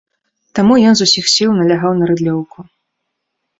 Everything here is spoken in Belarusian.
Таму ён з усіх сіл налягаў на рыдлёўку.